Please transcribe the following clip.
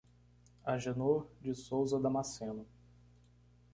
Agenor de Souza Damasceno